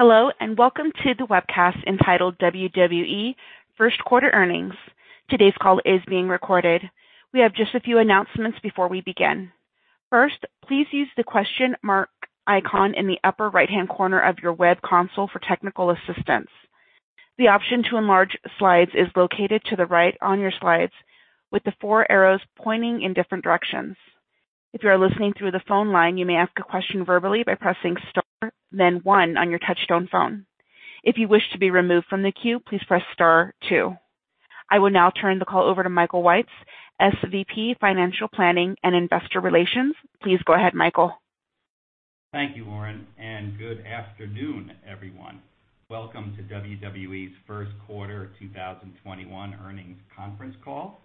Welcome to the webcast entitled WWE First Quarter Earnings. Today's call is being recorded. We have just a few announcements before we begin. First, please use the question mark icon in the upper right-hand corner of your web console for technical assistance. The option to enlarge slides is located to the right on your slides with the four arrows pointing in different directions. If you are listening through the phone line, you may ask a question verbally by pressing star one on your touch-tone phone. If you wish to be removed from the queue, please press star two. I will now turn the call over to Michael Weitz, SVP Financial Planning and Investor Relations. Please go ahead, Michael. Thank you, Lauren. Good afternoon, everyone. Welcome to WWE's first quarter 2021 earnings conference call.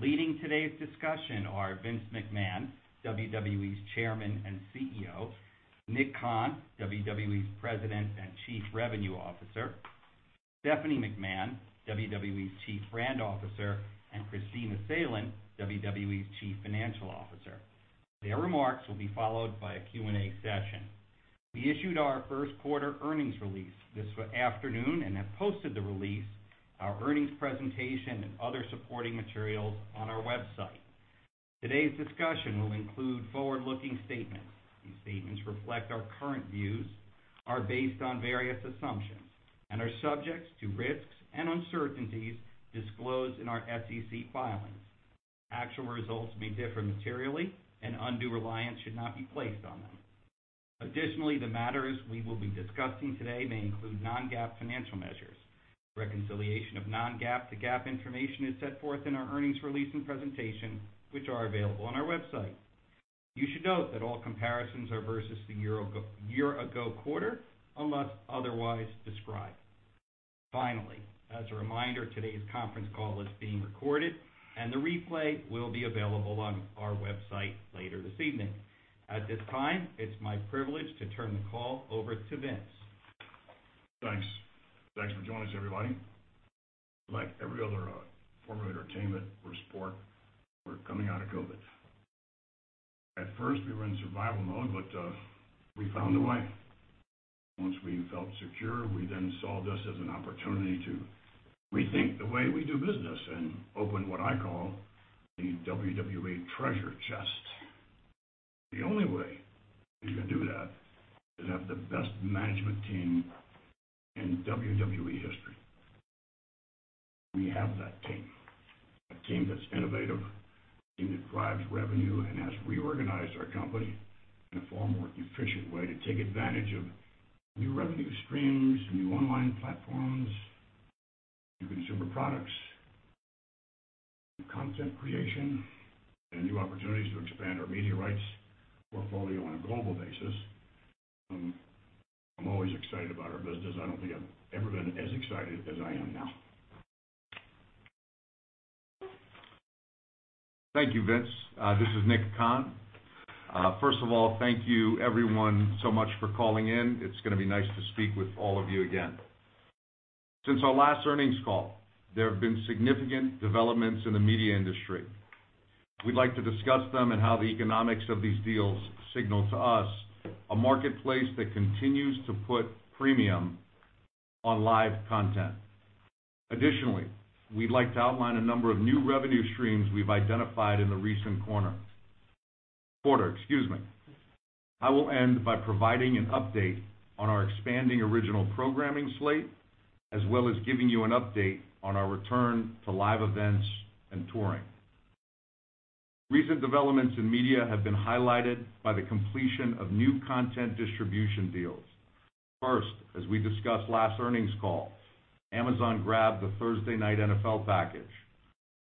Leading today's discussion are Vince McMahon, WWE's Chairman and CEO, Nick Khan, WWE's President and Chief Revenue Officer, Stephanie McMahon, WWE's Chief Brand Officer, and Kristina Salen, WWE's Chief Financial Officer. Their remarks will be followed by a Q&A session. We issued our first quarter earnings release this afternoon and have posted the release, our earnings presentation, and other supporting materials on our website. Today's discussion will include forward-looking statements. These statements reflect our current views, are based on various assumptions, and are subject to risks and uncertainties disclosed in our SEC filings. Actual results may differ materially. Undue reliance should not be placed on them. Additionally, the matters we will be discussing today may include non-GAAP financial measures. Reconciliation of non-GAAP to GAAP information is set forth in our earnings release and presentation, which are available on our website. You should note that all comparisons are versus the year ago quarter, unless otherwise described. Finally, as a reminder, today's conference call is being recorded. The replay will be available on our website later this evening. At this time, it's my privilege to turn the call over to Vince. Thanks. Thanks for joining us, everybody. Like every other form of entertainment or sport, we're coming out of COVID. At first, we were in survival mode. We found a way. Once we felt secure, we then saw this as an opportunity to rethink the way we do business and open what I call the WWE treasure chest. The only way we can do that is have the best management team in WWE history. We have that team, a team that's innovative, a team that drives revenue and has reorganized our company in a far more efficient way to take advantage of new revenue streams, new online platforms, new consumer products, new content creation, and new opportunities to expand our media rights portfolio on a global basis. I'm always excited about our business. I don't think I've ever been as excited as I am now. Thank you, Vince. This is Nick Khan. First of all, thank you everyone so much for calling in. It's going to be nice to speak with all of you again. Since our last earnings call, there have been significant developments in the media industry. We'd like to discuss them and how the economics of these deals signal to us a marketplace that continues to put premium on live content. Additionally, we'd like to outline a number of new revenue streams we've identified in the recent quarter, excuse me. I will end by providing an update on our expanding original programming slate, as well as giving you an update on our return to live events and touring. Recent developments in media have been highlighted by the completion of new content distribution deals. First, as we discussed last earnings call, Amazon grabbed the Thursday Night NFL package.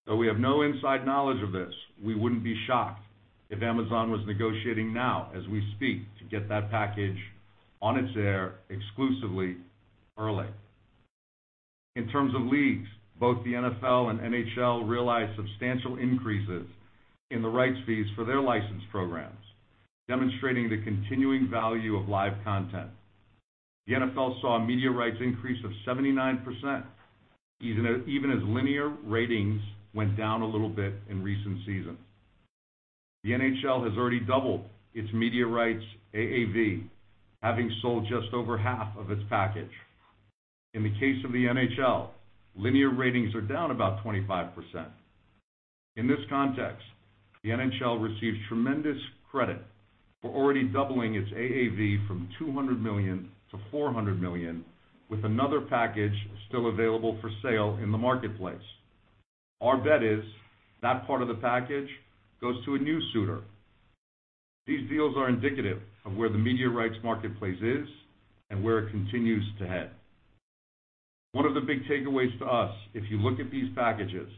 Though we have no inside knowledge of this, we wouldn't be shocked if Amazon was negotiating now as we speak to get that package on its air exclusively early. In terms of leagues, both the NFL and NHL realized substantial increases in the rights fees for their licensed programs, demonstrating the continuing value of live content. The NFL saw a media rights increase of 79%, even as linear ratings went down a little bit in recent seasons. The NHL has already doubled its media rights AAV, having sold just over half of its package. In the case of the NHL, linear ratings are down about 25%. In this context, the NHL receives tremendous credit for already doubling its AAV from $200 million to $400 million with another package still available for sale in the marketplace. Our bet is that part of the package goes to a new suitor. These deals are indicative of where the media rights marketplace is and where it continues to head. One of the big takeaways to us, if you look at these packages,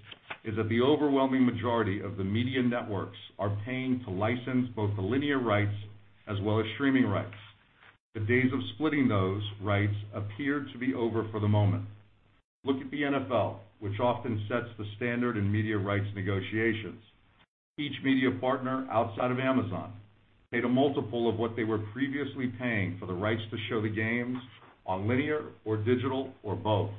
is that the overwhelming majority of the media networks are paying to license both the linear rights as well as streaming rights. The days of splitting those rights appear to be over for the moment. Look at the NFL, which often sets the standard in media rights negotiations. Each media partner, outside of Amazon, paid a multiple of what they were previously paying for the rights to show the games on linear or digital or both.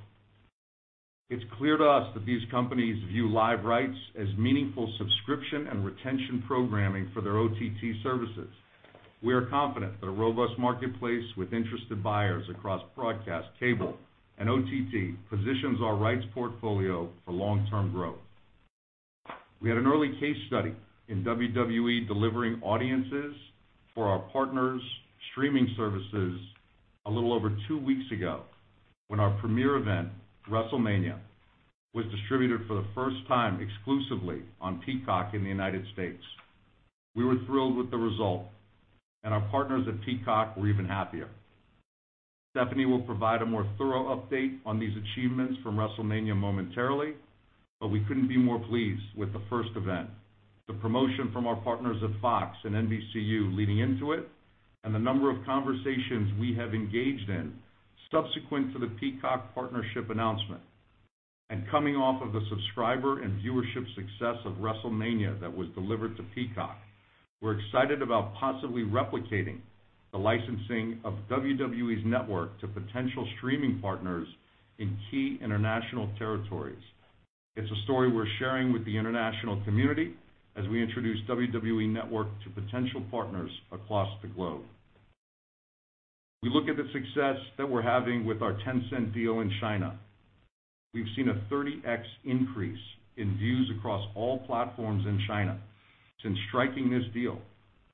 It's clear to us that these companies view live rights as meaningful subscription and retention programming for their OTT services. We are confident that a robust marketplace with interested buyers across broadcast, cable, and OTT positions our rights portfolio for long-term growth. We had an early case study in WWE delivering audiences for our partners' streaming services a little over two weeks ago when our premier event, WrestleMania, was distributed for the first time exclusively on Peacock in the U.S. We were thrilled with the result, and our partners at Peacock were even happier. Stephanie will provide a more thorough update on these achievements from WrestleMania momentarily, but we couldn't be more pleased with the first event, the promotion from our partners at Fox and NBCU leading into it, and the number of conversations we have engaged in subsequent to the Peacock partnership announcement. Coming off of the subscriber and viewership success of WrestleMania that was delivered to Peacock, we're excited about possibly replicating the licensing of WWE Network to potential streaming partners in key international territories. It's a story we're sharing with the international community as we introduce WWE Network to potential partners across the globe. We look at the success that we're having with our Tencent deal in China. We've seen a 30x increase in views across all platforms in China since striking this deal,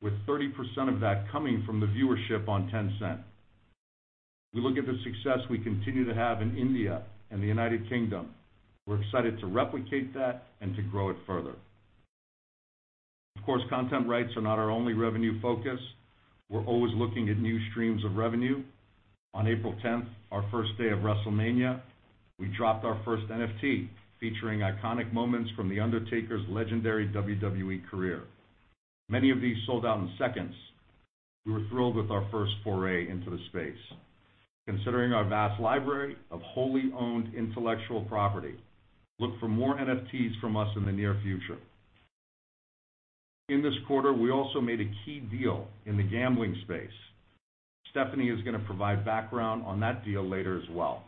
with 30% of that coming from the viewership on Tencent. We look at the success we continue to have in India and the United Kingdom. We're excited to replicate that and to grow it further. Of course, content rights are not our only revenue focus. We're always looking at new streams of revenue. On April 10th, our first day of WrestleMania, we dropped our first NFT, featuring iconic moments from The Undertaker's legendary WWE career. Many of these sold out in seconds. We were thrilled with our first foray into the space. Considering our vast library of wholly owned intellectual property, look for more NFTs from us in the near future. In this quarter, we also made a key deal in the gambling space. Stephanie is going to provide background on that deal later as well.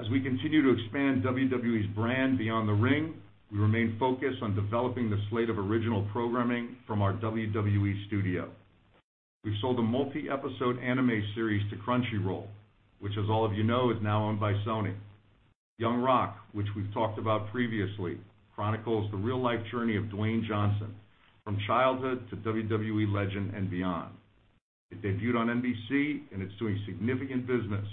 As we continue to expand WWE's brand beyond the ring, we remain focused on developing the slate of original programming from our WWE Studios. We've sold a multi-episode anime series to Crunchyroll, which as all of you know, is now owned by Sony. Young Rock, which we've talked about previously, chronicles the real-life journey of Dwayne Johnson from childhood to WWE legend and beyond. It debuted on NBC, and it's doing significant business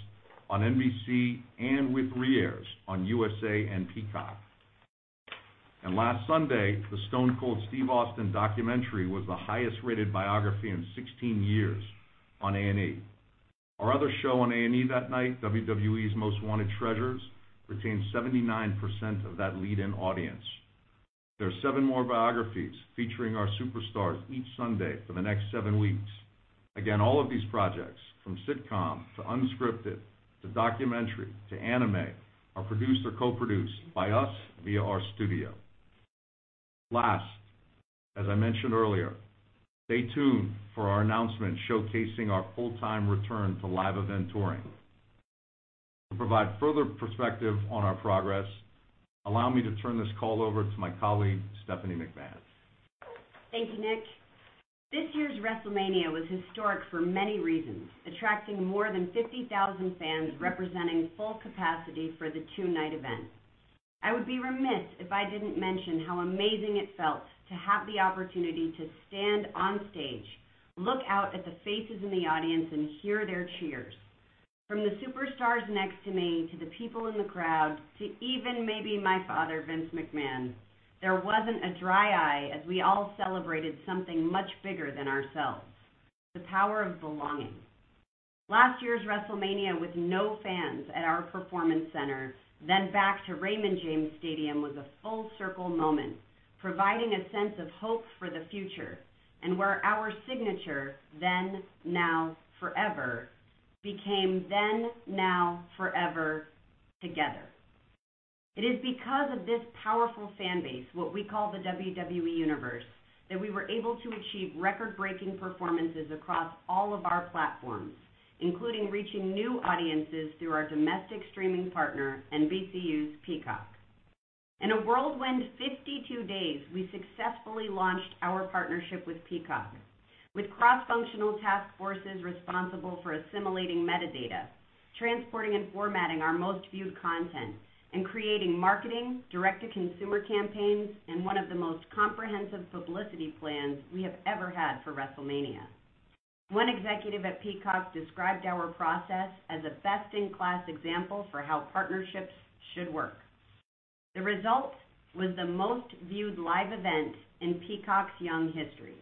on NBC and with re-airs on USA and Peacock. Last Sunday, the Stone Cold Steve Austin documentary was the highest-rated biography in 16 years on A&E. Our other show on A&E that night, WWE's Most Wanted Treasures, retained 79% of that lead-in audience. There are seven more biographies featuring our superstars each Sunday for the next seven weeks. Again, all of these projects, from sitcom to unscripted, to documentary, to anime, are produced or co-produced by us via our studio. Last, as I mentioned earlier, stay tuned for our announcement showcasing our full-time return to live event touring. To provide further perspective on our progress, allow me to turn this call over to my colleague, Stephanie McMahon. Thank you, Nick. This year's WrestleMania was historic for many reasons, attracting more than 50,000 fans, representing full capacity for the two-night event. I would be remiss if I didn't mention how amazing it felt to have the opportunity to stand on stage, look out at the faces in the audience, and hear their cheers. From the superstars next to me, to the people in the crowd, to even maybe my father, Vince McMahon, there wasn't a dry eye as we all celebrated something much bigger than ourselves, the power of belonging. Last year's WrestleMania with no fans at our performance center, then back to Raymond James Stadium was a full circle moment, providing a sense of hope for the future, and where our signature, Then. Now. Forever., became Then. Now. Forever. Together. It is because of this powerful fan base, what we call the WWE Universe, that we were able to achieve record-breaking performances across all of our platforms, including reaching new audiences through our domestic streaming partner, NBCU's Peacock. In a whirlwind 52 days, we successfully launched our partnership with Peacock. With cross-functional task forces responsible for assimilating metadata, transporting and formatting our most viewed content, and creating marketing, direct-to-consumer campaigns, and one of the most comprehensive publicity plans we have ever had for WrestleMania. One executive at Peacock described our process as a best-in-class example for how partnerships should work. The result was the most viewed live event in Peacock's young history.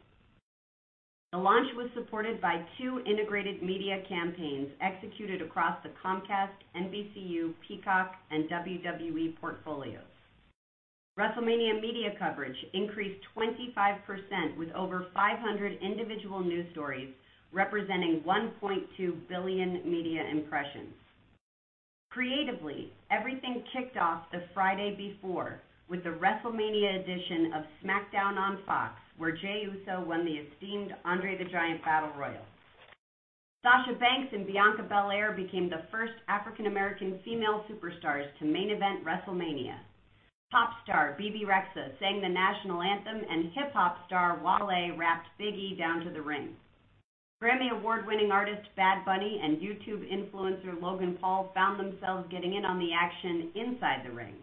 The launch was supported by two integrated media campaigns executed across the Comcast, NBCU, Peacock, and WWE portfolios. WrestleMania media coverage increased 25% with over 500 individual news stories representing 1.2 billion media impressions. Creatively, everything kicked off the Friday before with the WrestleMania edition of SmackDown on Fox, where Jey Uso won the esteemed André the Giant Battle Royal. Sasha Banks and Bianca Belair became the first African American female superstars to main event WrestleMania. Pop star Bebe Rexha sang the National Anthem, and hip-hop star Wale rapped Big E down to the ring. Grammy Award-winning artist Bad Bunny and YouTube influencer Logan Paul found themselves getting in on the action inside the ring.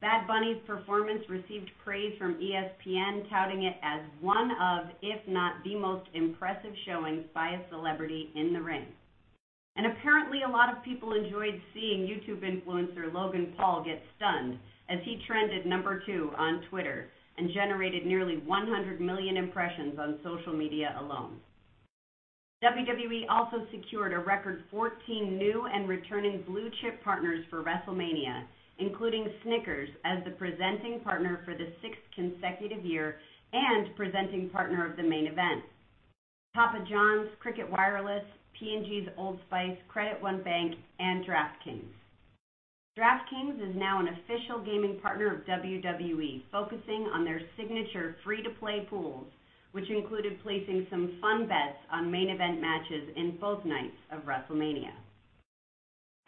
Bad Bunny's performance received praise from ESPN, touting it as one of, if not the most impressive showings by a celebrity in the ring. Apparently, a lot of people enjoyed seeing YouTube influencer Logan Paul get stunned, as he trended number two on Twitter and generated nearly 100 million impressions on social media alone. WWE also secured a record 14 new and returning blue-chip partners for WrestleMania, including Snickers as the presenting partner for the sixth consecutive year, and presenting partner of the main event. Papa John's, Cricket Wireless, P&G's Old Spice, Credit One Bank, and DraftKings. DraftKings is now an official gaming partner of WWE, focusing on their signature free-to-play pools, which included placing some fun bets on main event matches in both nights of WrestleMania.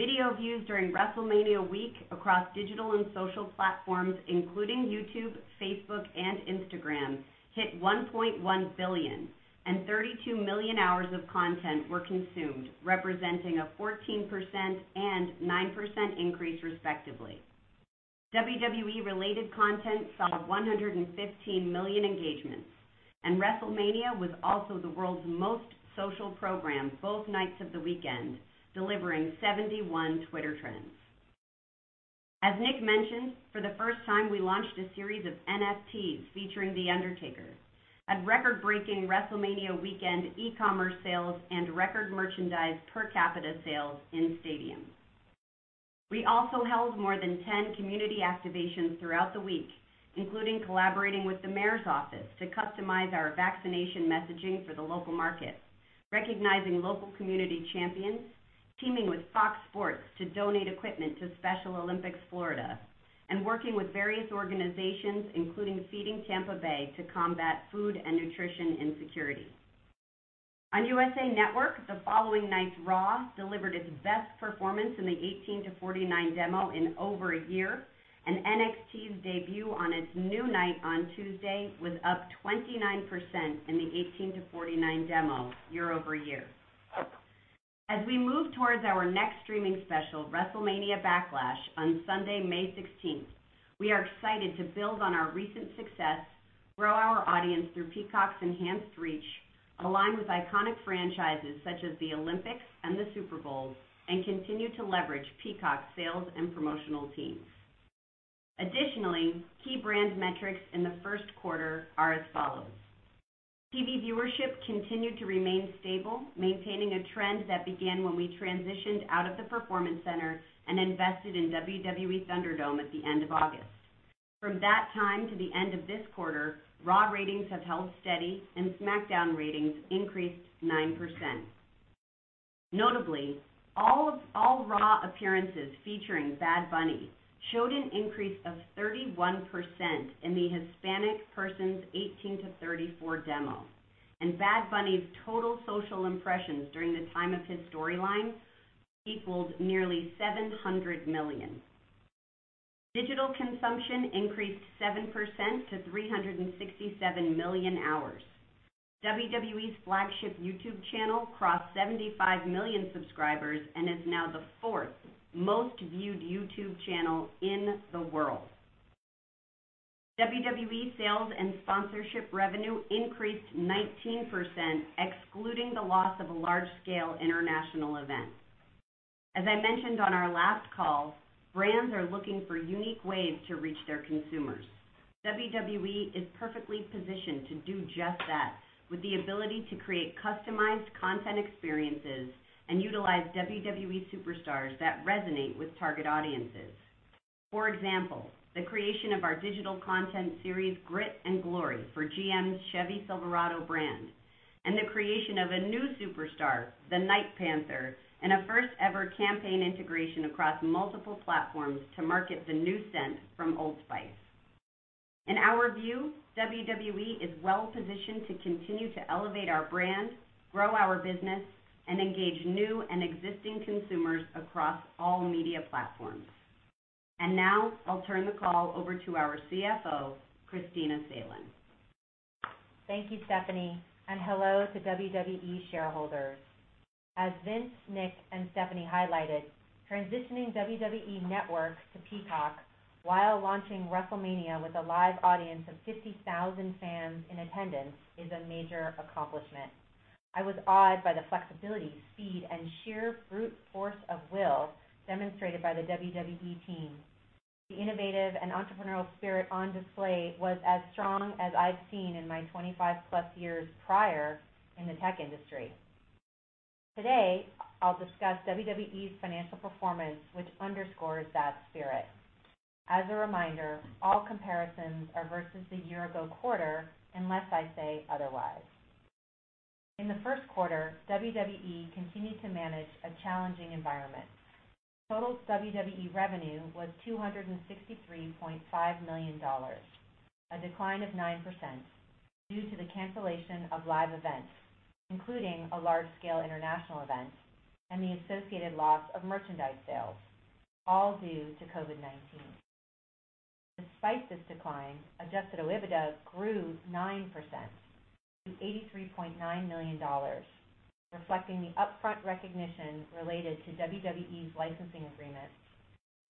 Video views during WrestleMania week across digital and social platforms, including YouTube, Facebook, and Instagram, hit 1.1 billion, and 32 million hours of content were consumed, representing a 14% and 9% increase, respectively. WWE-related content saw 115 million engagements, and WrestleMania was also the world's most social program both nights of the weekend, delivering 71 Twitter trends. As Nick mentioned, for the first time we launched a series of NFTs featuring The Undertaker. We had record-breaking WrestleMania weekend e-commerce sales and record merchandise per capita sales in stadiums. We also held more than 10 community activations throughout the week, including collaborating with the mayor's office to customize our vaccination messaging for the local market, recognizing local community champions, teaming with Fox Sports to donate equipment to Special Olympics Florida, and working with various organizations, including Feeding Tampa Bay, to combat food and nutrition insecurity. On USA Network, the following night's Raw delivered its best performance in the 18-to-49 demo in over a year, and NXT's debut on its new night on Tuesday was up 29% in the 18-to-49 demo year-over-year. As we move towards our next streaming special, WrestleMania Backlash on Sunday, May 16th, we are excited to build on our recent success, grow our audience through Peacock's enhanced reach, align with iconic franchises such as the Olympics and the Super Bowl, and continue to leverage Peacock's sales and promotional teams. Additionally, key brand metrics in the first quarter are as follows. TV viewership continued to remain stable, maintaining a trend that began when we transitioned out of the Performance Center and invested in WWE ThunderDome at the end of August. From that time to the end of this quarter, Raw ratings have held steady, and SmackDown ratings increased 9%. Notably, all Raw appearances featuring Bad Bunny showed an increase of 31% in the Hispanic persons 18 to 34 demo, and Bad Bunny's total social impressions during the time of his storyline equaled nearly 700 million. Digital consumption increased 7% to 367 million hours. WWE's flagship YouTube channel crossed 75 million subscribers and is now the fourth most viewed YouTube channel in the world. WWE sales and sponsorship revenue increased 19%, excluding the loss of a large-scale international event. As I mentioned on our last call, brands are looking for unique ways to reach their consumers. WWE is perfectly positioned to do just that with the ability to create customized content experiences and utilize WWE Superstars that resonate with target audiences. For example, the creation of our digital content series Grit and Glory for GM's Chevy Silverado brand, and the creation of a new Superstar, the Night Panther, in a first-ever campaign integration across multiple platforms to market the new scent from Old Spice. In our view, WWE is well-positioned to continue to elevate our brand, grow our business, and engage new and existing consumers across all media platforms. Now I'll turn the call over to our CFO, Kristina Salen. Thank you, Stephanie, hello to WWE shareholders. As Vince, Nick, and Stephanie highlighted, transitioning WWE Network to Peacock while launching WrestleMania with a live audience of 50,000 fans in attendance is a major accomplishment. I was awed by the flexibility, speed, and sheer brute force of will demonstrated by the WWE team. The innovative and entrepreneurial spirit on display was as strong as I've seen in my 25-plus years prior in the tech industry. Today, I'll discuss WWE's financial performance, which underscores that spirit. As a reminder, all comparisons are versus the year-ago quarter, unless I say otherwise. In the first quarter, WWE continued to manage a challenging environment. Total WWE revenue was $263.5 million, a decline of 9% due to the cancellation of live events, including a large-scale international event, and the associated loss of merchandise sales, all due to COVID-19. Despite this decline, Adjusted OIBDA grew 9% to $83.9 million, reflecting the upfront recognition related to WWE's licensing agreement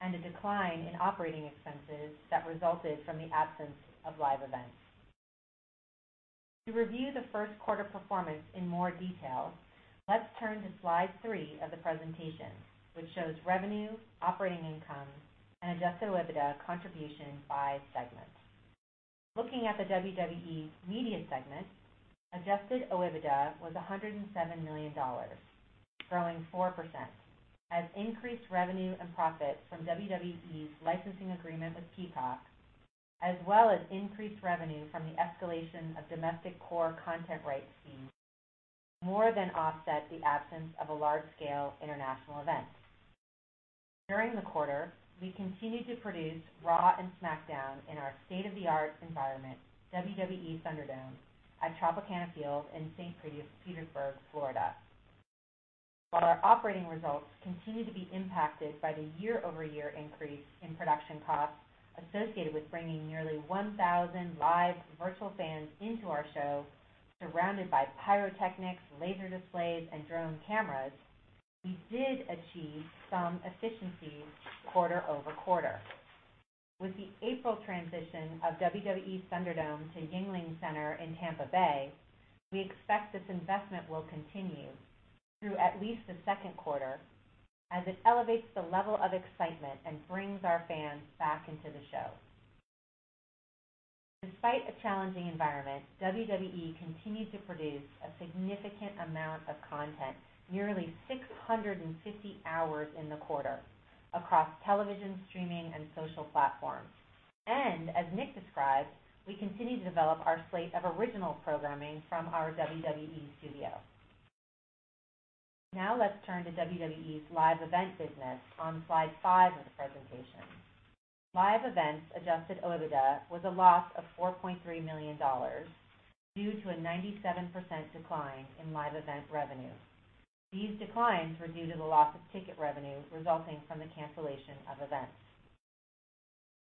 and a decline in operating expenses that resulted from the absence of live events. To review the first quarter performance in more detail, let's turn to slide three of the presentation, which shows revenue, operating income, and Adjusted OIBDA contribution by segment. Looking at the WWE Media segment, Adjusted OIBDA was $107 million, growing 4%, as increased revenue and profit from WWE's licensing agreement with Peacock, as well as increased revenue from the escalation of domestic core content rights fees, more than offset the absence of a large-scale international event. During the quarter, we continued to produce Raw and SmackDown in our state-of-the-art environment, WWE ThunderDome, at Tropicana Field in St. Petersburg, Florida. While our operating results continue to be impacted by the year-over-year increase in production costs associated with bringing nearly 1,000 live virtual fans into our show, surrounded by pyrotechnics, laser displays, and drone cameras, we did achieve some efficiencies quarter-over-quarter. With the April transition of WWE ThunderDome to Yuengling Center in Tampa Bay, we expect this investment will continue through at least the second quarter as it elevates the level of excitement and brings our fans back into the show. Despite a challenging environment, WWE continued to produce a significant amount of content, nearly 650 hours in the quarter, across television, streaming, and social platforms. As Nick described, we continue to develop our slate of original programming from our WWE Studios. Now let's turn to WWE's live event business on slide five of the presentation. Live events Adjusted OIBDA was a loss of $4.3 million due to a 97% decline in live event revenue. These declines were due to the loss of ticket revenue resulting from the cancellation of events.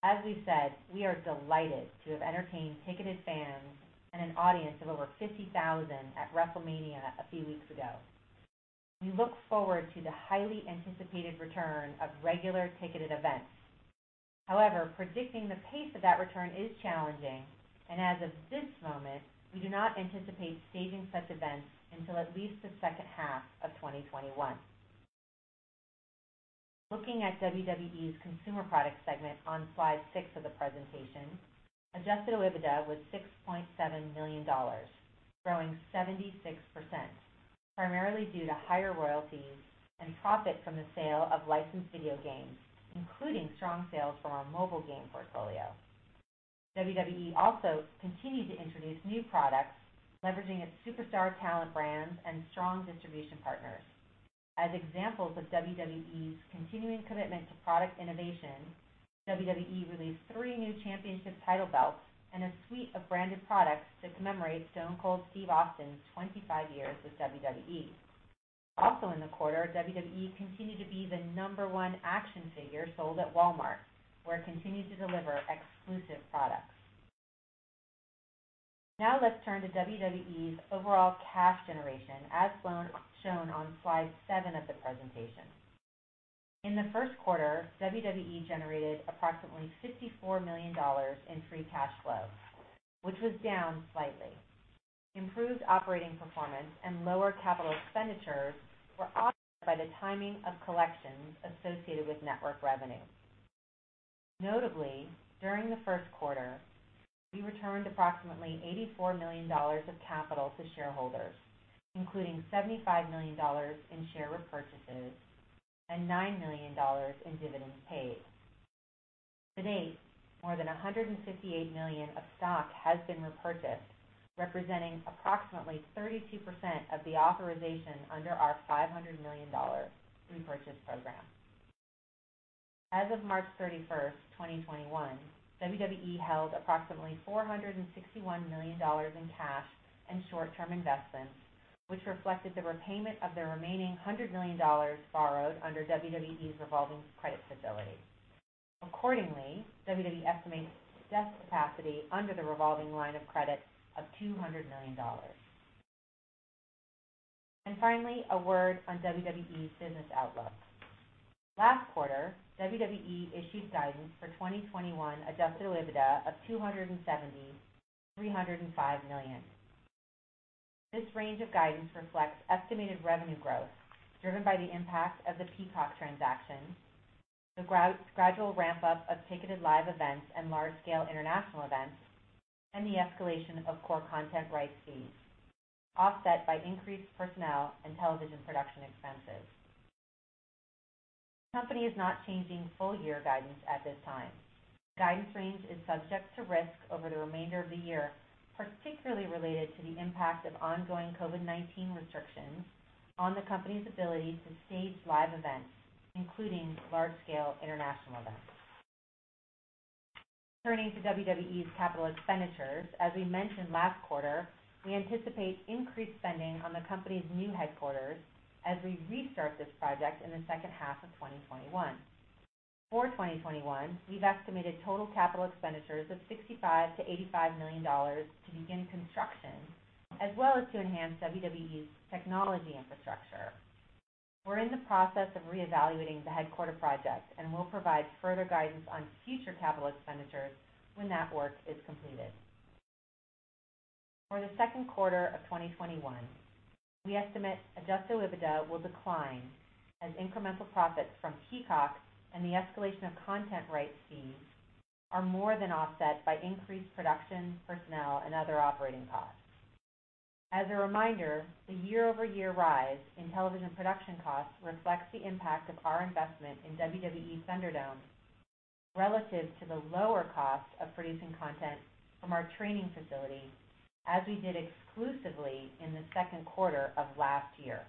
As we've said, we are delighted to have entertained ticketed fans and an audience of over 50,000 at WrestleMania a few weeks ago. We look forward to the highly anticipated return of regular ticketed events. However, predicting the pace of that return is challenging, and as of this moment, we do not anticipate staging such events until at least the second half of 2021. Looking at WWE's Consumer Products segment on slide six of the presentation, Adjusted OIBDA was $6.7 million, growing 76%, primarily due to higher royalties and profit from the sale of licensed video games, including strong sales from our mobile game portfolio. WWE also continued to introduce new products, leveraging its Superstar talent brands and strong distribution partners. As examples of WWE's continuing commitment to product innovation, WWE released three new championship title belts and a suite of branded products to commemorate "Stone Cold" Steve Austin's 25 years with WWE. Also in the quarter, WWE continued to be the number one action figure sold at Walmart, where it continues to deliver exclusive products. Now let's turn to WWE's overall cash generation as shown on slide seven of the presentation. In the first quarter, WWE generated approximately $54 million in free cash flow, which was down slightly. Improved operating performance and lower capital expenditures were offset by the timing of collections associated with network revenue. Notably, during the first quarter, we returned approximately $84 million of capital to shareholders, including $75 million in share repurchases and $9 million in dividends paid. To date, more than $158 million of stock has been repurchased, representing approximately 32% of the authorization under our $500 million repurchase program. As of March 31st, 2021, WWE held approximately $461 million in cash and short-term investments, which reflected the repayment of the remaining $100 million borrowed under WWE's revolving credit facility. Accordingly, WWE estimates its excess capacity under the revolving line of credit of $200 million. Finally, a word on WWE's business outlook. Last quarter, WWE issued guidance for 2021 Adjusted OIBDA of $270 million-$305 million. This range of guidance reflects estimated revenue growth driven by the impact of the Peacock transaction, the gradual ramp-up of ticketed live events and large-scale international events, and the escalation of core content rights fees, offset by increased personnel and television production expenses. The company is not changing full-year guidance at this time. The guidance range is subject to risk over the remainder of the year, particularly related to the impact of ongoing COVID-19 restrictions on the company's ability to stage live events, including large-scale international events. Turning to WWE's capital expenditures, as we mentioned last quarter, we anticipate increased spending on the company's new headquarters as we restart this project in the second half of 2021. For 2021, we've estimated total capital expenditures of $65 million-$85 million to begin construction, as well as to enhance WWE's technology infrastructure. We're in the process of reevaluating the headquarter project, and we'll provide further guidance on future capital expenditures when that work is completed. For the second quarter of 2021, we estimate Adjusted OIBDA will decline as incremental profits from Peacock and the escalation of content rights fees are more than offset by increased production, personnel, and other operating costs. As a reminder, the year-over-year rise in television production costs reflects the impact of our investment in WWE ThunderDome relative to the lower cost of producing content from our training facility, as we did exclusively in the second quarter of last year.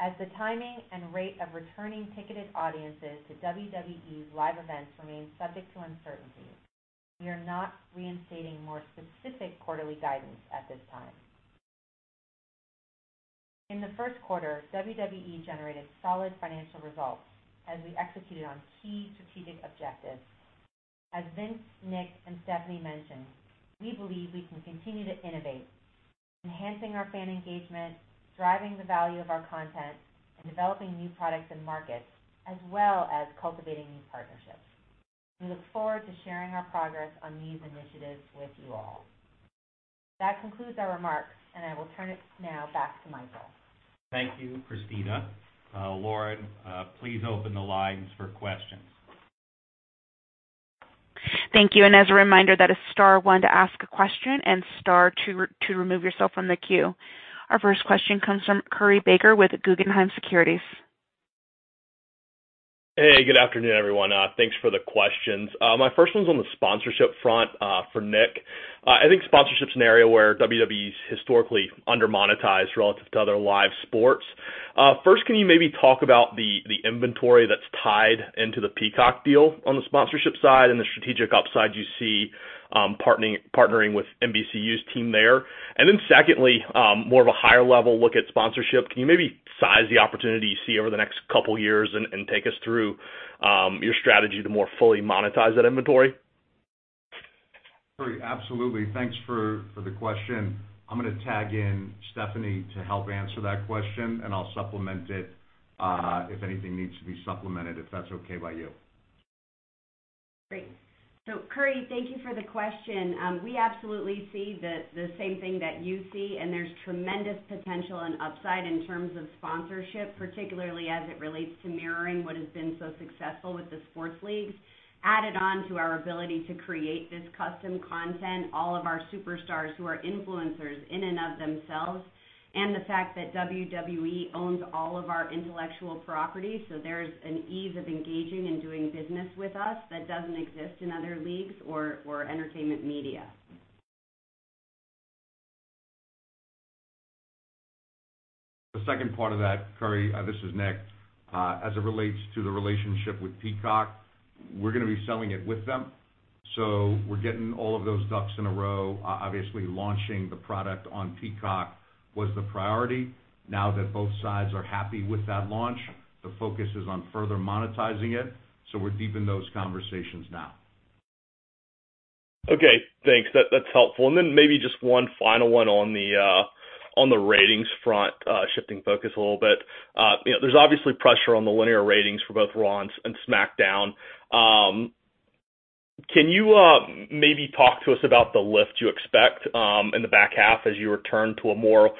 As the timing and rate of returning ticketed audiences to WWE's live events remains subject to uncertainty, we are not reinstating more specific quarterly guidance at this time. In the first quarter, WWE generated solid financial results as we executed on key strategic objectives. As Vince, Nick, and Stephanie mentioned, we believe we can continue to innovate, enhancing our fan engagement, driving the value of our content, and developing new products and markets, as well as cultivating new partnerships. We look forward to sharing our progress on these initiatives with you all. That concludes our remarks, I will turn it now back to Michael. Thank you, Kristina. Lauren, please open the lines for questions. Thank you. As a reminder, that is star one to ask a question and star two to remove yourself from the queue. Our first question comes from Curry Baker with Guggenheim Securities. Hey, good afternoon, everyone. Thanks for the questions. My first one's on the sponsorship front for Nick. I think sponsorship's an area where WWE's historically under-monetized relative to other live sports. First, can you maybe talk about the inventory that's tied into the Peacock deal on the sponsorship side and the strategic upside you see partnering with NBCU's team there? Then secondly, more of a higher-level look at sponsorship. Can you maybe size the opportunity you see over the next couple of years and take us through your strategy to more fully monetize that inventory? Curry, absolutely. Thanks for the question. I'm going to tag in Stephanie to help answer that question, and I'll supplement it if anything needs to be supplemented, if that's okay by you. Great. Curry, thank you for the question. We absolutely see the same thing that you see, and there's tremendous potential and upside in terms of sponsorship, particularly as it relates to mirroring what has been so successful with the sports leagues. Added on to our ability to create this custom content, all of our superstars who are influencers in and of themselves, and the fact that WWE owns all of our intellectual property, so there's an ease of engaging and doing business with us that doesn't exist in other leagues or entertainment media. The second part of that, Curry, this is Nick. As it relates to the relationship with Peacock, we're going to be selling it with them. We're getting all of those ducks in a row. Obviously, launching the product on Peacock was the priority. Now that both sides are happy with that launch, the focus is on further monetizing it. We're deep in those conversations now. Okay. Thanks. That's helpful. Maybe just one final one on the ratings front, shifting focus a little bit. There's obviously pressure on the linear ratings for both Raw and SmackDown. Can you maybe talk to us about the lift you expect in the back half as you return to a more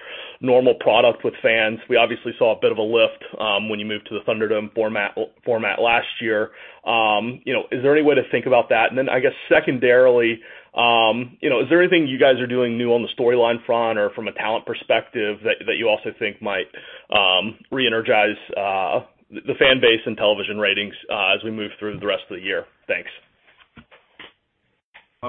normal product with fans? We obviously saw a bit of a lift when you moved to the ThunderDome format last year. Is there any way to think about that? I guess secondarily, is anything you guys are doing new on the storyline front or from a talent perspective that you also think might re-energize the fan base and television ratings as we move through the rest of the year? Thanks.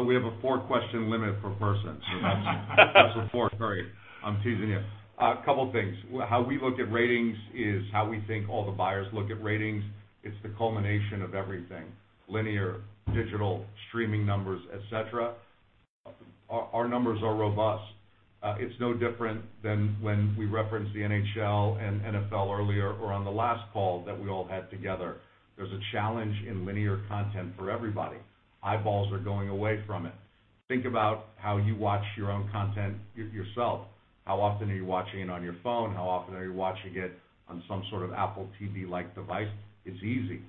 We have a four-question limit per person. That's four, Curry. I'm teasing you. A couple of things. How we look at ratings is how we think all the buyers look at ratings. It's the culmination of everything, linear, digital, streaming numbers, et cetera. Our numbers are robust. It's no different than when we referenced the NHL and NFL earlier or on the last call that we all had together. There's a challenge in linear content for everybody. Eyeballs are going away from it. Think about how you watch your own content yourself. How often are you watching it on your phone? How often are you watching it on some sort of Apple TV-like device? It's easy.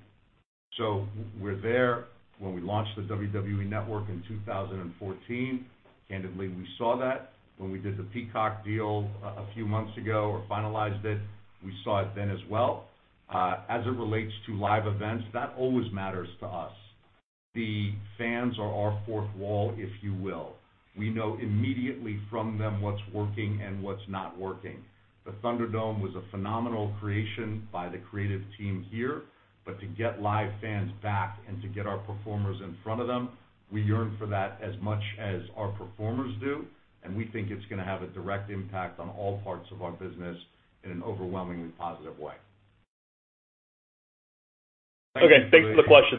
We're there. When we launched the WWE Network in 2014, candidly, we saw that. When we did the Peacock deal a few months ago or finalized it, we saw it then as well. As it relates to live events, that always matters to us. The fans are our fourth wall, if you will. We know immediately from them what's working and what's not working. The ThunderDome was a phenomenal creation by the creative team here, to get live fans back and to get our performers in front of them, we yearn for that as much as our performers do, and we think it's going to have a direct impact on all parts of our business in an overwhelmingly positive way. Okay. Thanks for the question.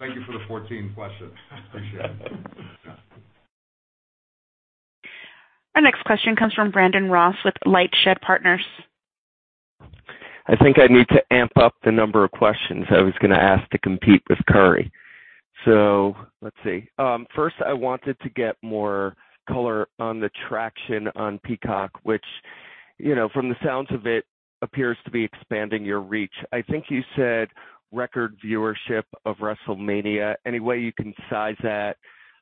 Thank you for the 14 questions. Appreciate it. Our next question comes from Brandon Ross with LightShed Partners. I think I need to amp up the number of questions I was going to ask to compete with Curry. Let's see. First, I wanted to get more color on the traction on Peacock, which from the sounds of it appears to be expanding your reach. I think you said record viewership of WrestleMania. Any way you can size that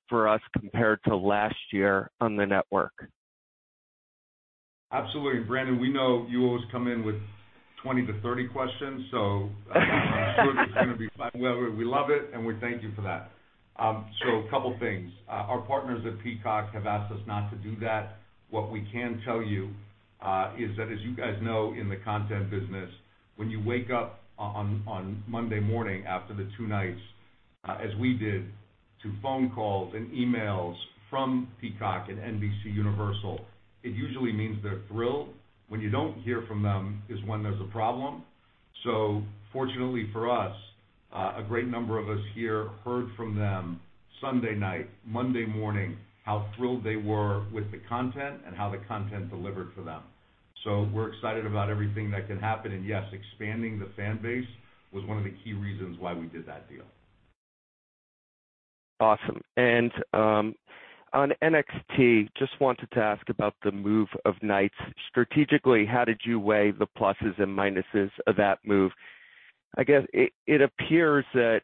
for us compared to last year on the network? Absolutely. Brandon, we know you always come in with 20 to 30 questions. I'm sure this is going to be fine. Well, we love it, and we thank you for that. A couple things. Our partners at Peacock have asked us not to do that. What we can tell you is that as you guys know, in the content business, when you wake up on Monday morning after the two nights, as we did, to phone calls and emails from Peacock and NBCUniversal, it usually means they're thrilled. When you don't hear from them is when there's a problem. Fortunately for us, a great number of us here heard from them Sunday night, Monday morning, how thrilled they were with the content and how the content delivered for them. We're excited about everything that can happen. Yes, expanding the fan base was one of the key reasons why we did that deal. Awesome. On NXT, just wanted to ask about the move of nights. Strategically, how did you weigh the pluses and minuses of that move? I guess it appears that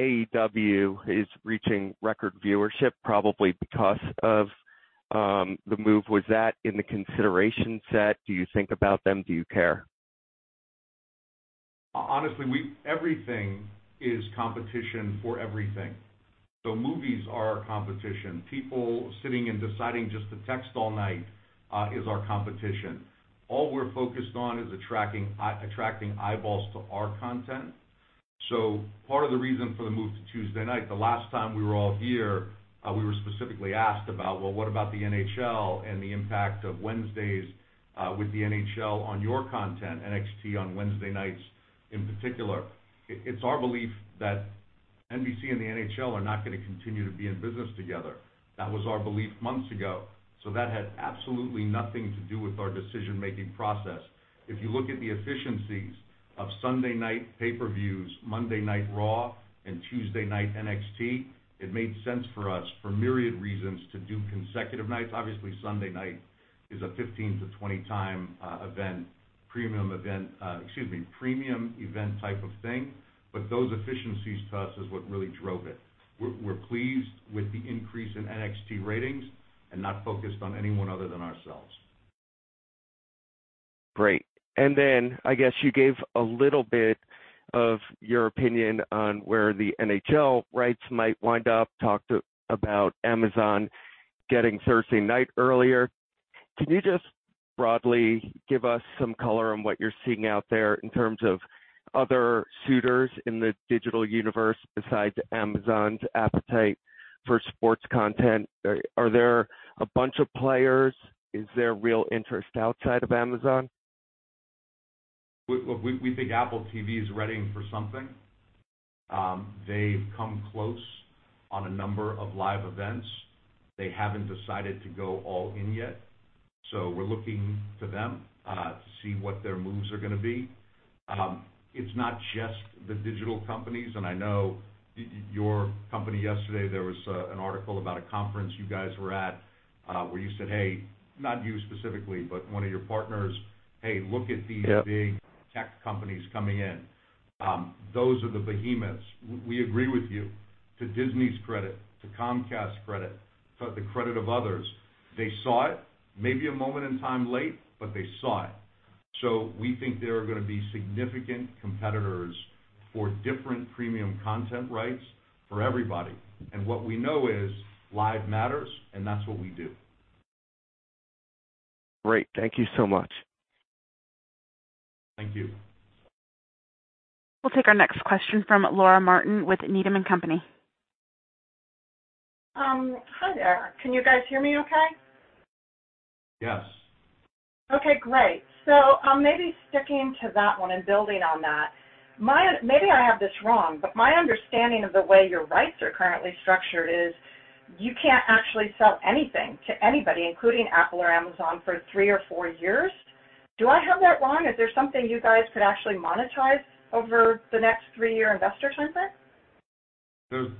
AEW is reaching record viewership probably because of the move. Was that in the consideration set? Do you think about them? Do you care? Honestly, everything is competition for everything. Movies are our competition. People sitting and deciding just to text all night is our competition. All we're focused on is attracting eyeballs to our content. Part of the reason for the move to Tuesday night, the last time we were all here, we were specifically asked about, well, what about the NHL and the impact of Wednesdays with the NHL on your content, NXT on Wednesday nights in particular? It's our belief that NBC and the NHL are not going to continue to be in business together. That was our belief months ago, that had absolutely nothing to do with our decision-making process. If you look at the efficiencies of Sunday night pay-per-views, Monday night Raw, and Tuesday night NXT, it made sense for us for myriad reasons to do consecutive nights. Obviously, Sunday night is a 15 to 20 time event, premium event, excuse me, premium event type of thing. Those efficiencies to us is what really drove it. We're pleased with the increase in NXT ratings and not focused on anyone other than ourselves. Great. Then, I guess you gave a little bit of your opinion on where the NHL rights might wind up. Talked about Amazon getting Thursday night earlier. Can you just broadly give us some color on what you're seeing out there in terms of other suitors in the digital universe besides Amazon's appetite for sports content? Are there a bunch of players? Is there real interest outside of Amazon? We think Apple TV is readying for something. They've come close on a number of live events. They haven't decided to go all in yet, we're looking to them to see what their moves are going to be. It's not just the digital companies, I know your company yesterday, there was an article about a conference you guys were at where you said, hey, not you specifically, but one of your partners, "Hey, look at these- Yep big tech companies coming in." Those are the behemoths. We agree with you. To Disney's credit, to Comcast's credit, to the credit of others, they saw it, maybe a moment in time late, but they saw it. We think there are going to be significant competitors for different premium content rights for everybody. What we know is live matters, and that's what we do. Great. Thank you so much. Thank you. We'll take our next question from Laura Martin with Needham & Company. Hi there. Can you guys hear me okay? Yes. Okay, great. Maybe sticking to that one and building on that. Maybe I have this wrong, but my understanding of the way your rights are currently structured is you can't actually sell anything to anybody, including Apple or Amazon, for three or four years. Do I have that wrong? Is there something you guys could actually monetize over the next three-year investor time frame?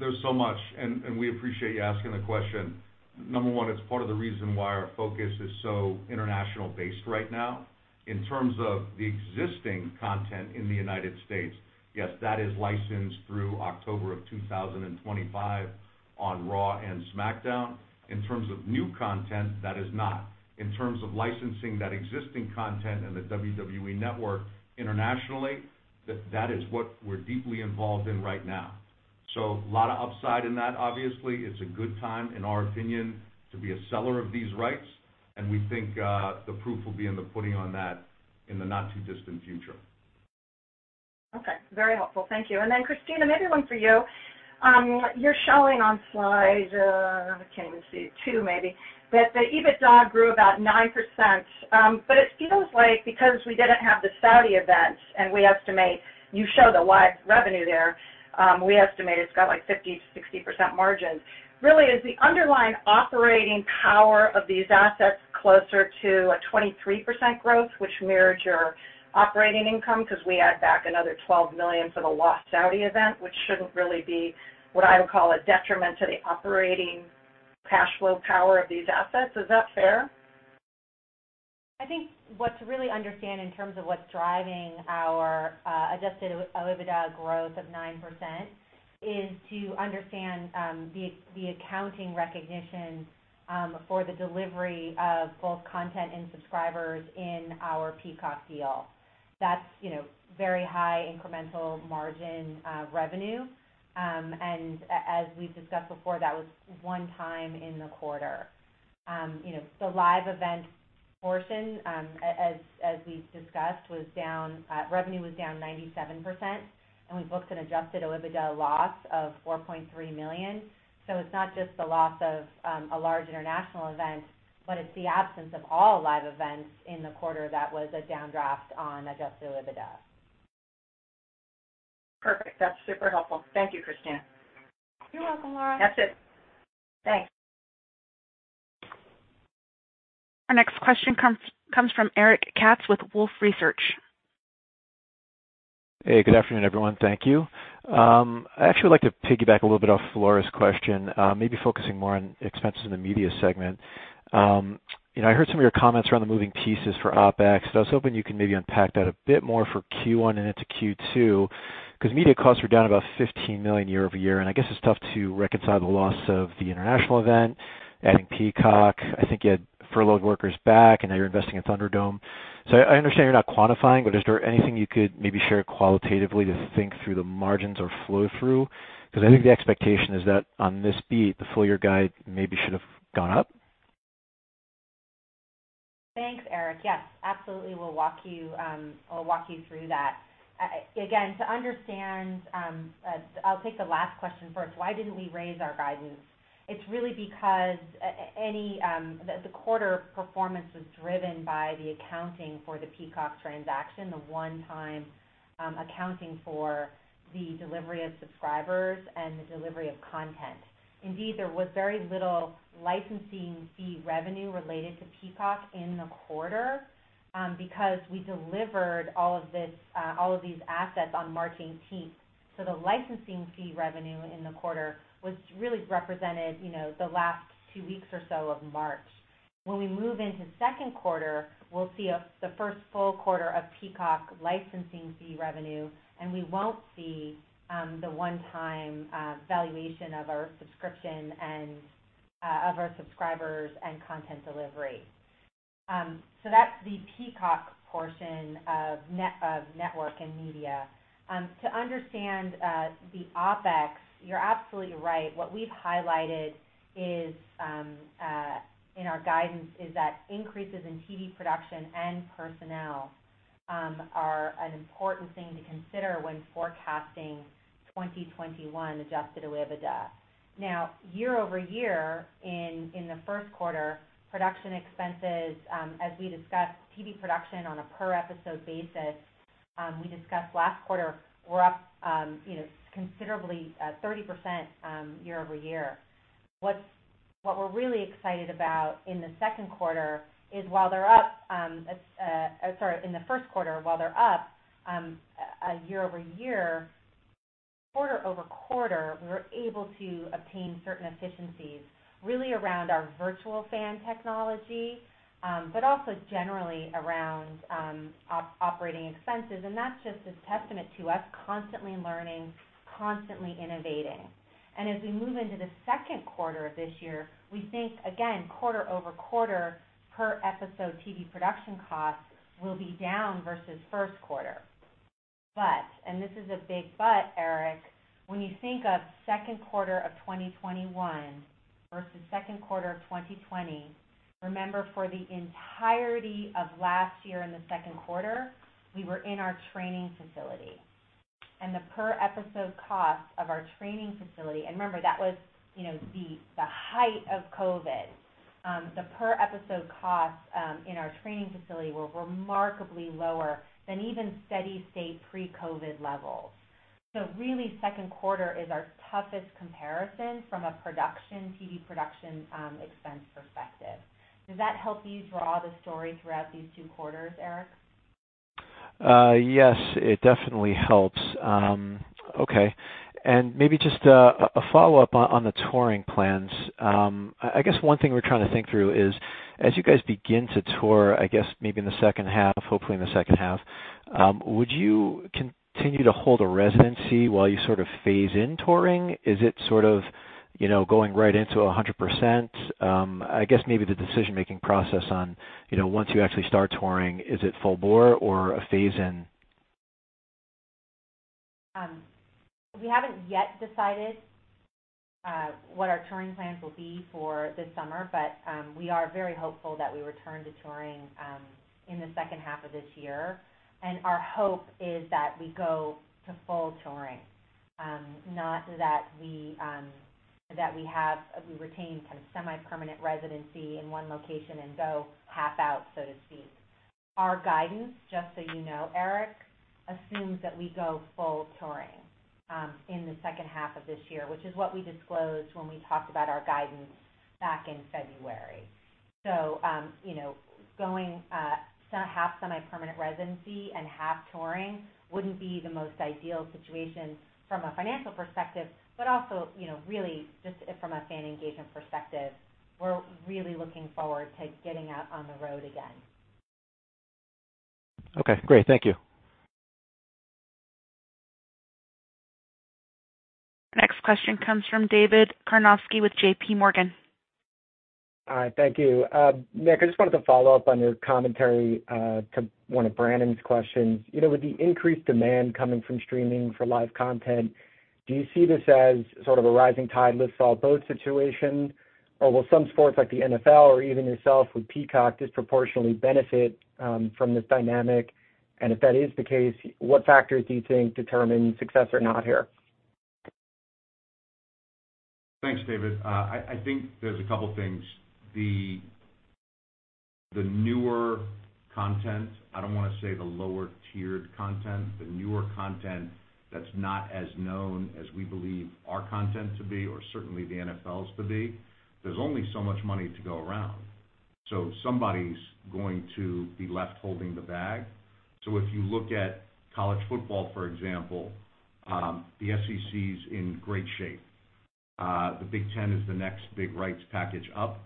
There's so much, and we appreciate you asking the question. Number one, it's part of the reason why our focus is so international based right now. In terms of the existing content in the U.S., yes, that is licensed through October of 2025 on Raw and SmackDown. In terms of new content, that is not. In terms of licensing that existing content and the WWE Network internationally, that is what we're deeply involved in right now. A lot of upside in that, obviously. It's a good time, in our opinion, to be a seller of these rights, and we think the proof will be in the pudding on that in the not too distant future. Okay. Very helpful. Thank you. Kristina, maybe one for you. You're showing on slide, I can't even see, two maybe, that the EBITDA grew about 9%, but it feels like because we didn't have the Saudi event and you show the live revenue there, we estimate it's got like 50%-60% margin. Really is the underlying operating power of these assets closer to a 23% growth, which mirrors your operating income? Because we add back another $12 million for the lost Saudi event, which shouldn't really be what I would call a detriment to the operating cash flow power of these assets. Is that fair? I think what to really understand in terms of what's driving our adjusted OIBDA growth of 9% is to understand the accounting recognition for the delivery of both content and subscribers in our Peacock deal. That's very high incremental margin revenue. As we've discussed before, that was one time in the quarter. The live event portion, as we've discussed, revenue was down 97%, and we booked an adjusted OIBDA loss of $4.3 million. It's not just the loss of a large international event, but it's the absence of all live events in the quarter that was a downdraft on adjusted OIBDA. Perfect. That's super helpful. Thank you, Kristina. You're welcome, Laura. That's it. Thanks. Our next question comes from Eric Katz with Wolfe Research. Hey, good afternoon, everyone. Thank you. I'd actually like to piggyback a little bit off of Laura's question, maybe focusing more on expenses in the media segment. I heard some of your comments around the moving pieces for OpEx. I was hoping you can maybe unpack that a bit more for Q1 and into Q2, because media costs were down about $15 million year-over-year. I guess it's tough to reconcile the loss of the international event, adding Peacock. I think you had furloughed workers back. Now you're investing in ThunderDome. I understand you're not quantifying, but is there anything you could maybe share qualitatively to think through the margins or flow through? I think the expectation is that on this beat, the full year guide maybe should have gone up. Thanks, Eric. Yes, absolutely, we'll walk you through that. To understand, I'll take the last question first. Why didn't we raise our guidance? It's really because the quarter performance was driven by the accounting for the Peacock transaction, the one-time accounting for the delivery of subscribers and the delivery of content. There was very little licensing fee revenue related to Peacock in the quarter because we delivered all of these assets on March 18th. The licensing fee revenue in the quarter really represented the last two weeks or so of March. When we move into second quarter, we'll see the first full quarter of Peacock licensing fee revenue, and we won't see the one-time valuation of our subscribers and content delivery. That's the Peacock portion of network and media. To understand the OpEx, you're absolutely right. What we've highlighted in our guidance is that increases in TV production and personnel are an important thing to consider when forecasting 2021 Adjusted OIBDA. Year-over-year in the first quarter, production expenses, as we discussed, TV production on a per episode basis, we discussed last quarter, were up considerably, 30% year-over-year. What we're really excited about in the first quarter is while they're up year-over-year, quarter-over-quarter, we were able to obtain certain efficiencies really around our virtual fan technology, but also generally around operating expenses. That's just a testament to us constantly learning, constantly innovating. As we move into the second quarter of this year, we think, again, quarter-over-quarter per episode TV production costs will be down versus first quarter. But, and this is a big but, Eric, when you think of second quarter of 2021 versus second quarter of 2020, remember for the entirety of last year in the second quarter, we were in our training facility. The per episode cost of our training facility, and remember that was the height of COVID, the per episode costs in our training facility were remarkably lower than even steady state pre-COVID levels. Really second quarter is our toughest comparison from a TV production expense perspective. Does that help you draw the story throughout these two quarters, Eric? Yes, it definitely helps. Okay. Maybe just a follow-up on the touring plans. I guess one thing we're trying to think through is as you guys begin to tour, I guess maybe in the second half, hopefully in the second half, would you continue to hold a residency while you sort of phase in touring? Is it sort of Going right into 100%, I guess maybe the decision-making process on once you actually start touring, is it full bore or a phase in? We haven't yet decided what our touring plans will be for this summer, we are very hopeful that we return to touring in the second half of this year. Our hope is that we go to full touring, not that we retain semi-permanent residency in one location and go half out, so to speak. Our guidance, just so you know, Eric, assumes that we go full touring in the second half of this year, which is what we disclosed when we talked about our guidance back in February. Going half semi-permanent residency and half touring wouldn't be the most ideal situation from a financial perspective, but also, really just from a fan engagement perspective, we're really looking forward to getting out on the road again. Okay, great. Thank you. Next question comes from David Karnovsky with JPMorgan. Hi, thank you. Nick, I just wanted to follow up on your commentary to one of Brandon's questions. With the increased demand coming from streaming for live content, do you see this as sort of a rising tide lifts all boats situation, or will some sports like the NFL or even yourself with Peacock disproportionately benefit from this dynamic? If that is the case, what factors do you think determine success or not here? Thanks, David. I think there's a couple things. The newer content that's not as known as we believe our content to be, or certainly the NFL's to be, there's only so much money to go around. Somebody's going to be left holding the bag. If you look at college football, for example, the SEC's in great shape. The Big Ten is the next big rights package up.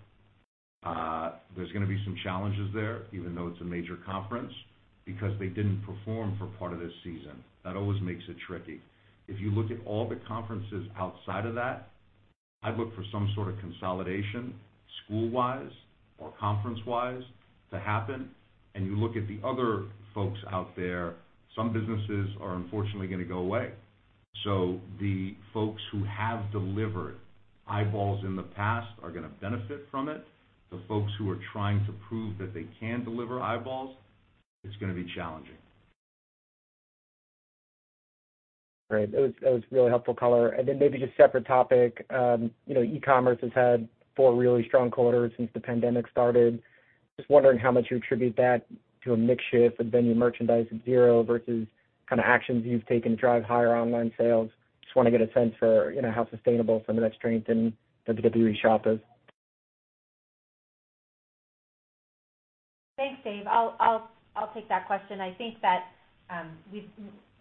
There's going to be some challenges there, even though it's a major conference, because they didn't perform for part of this season. That always makes it tricky. If you look at all the conferences outside of that, I'd look for some sort of consolidation school-wise or conference-wise to happen, you look at the other folks out there, some businesses are unfortunately going to go away. The folks who have delivered eyeballs in the past are going to benefit from it. The folks who are trying to prove that they can deliver eyeballs, it's going to be challenging. Great. That was really helpful color. Maybe just separate topic. E-commerce has had four really strong quarters since the pandemic started. Just wondering how much you attribute that to a mix shift with venue merchandise at zero versus actions you've taken to drive higher online sales. Just want to get a sense for how sustainable some of that strength in WWE Shop is. Thanks, Dave. I'll take that question. I think that we've